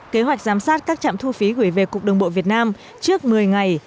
kế hoạch giám sát các trạm thu phí gửi về cục đường bộ việt nam trước một mươi ngày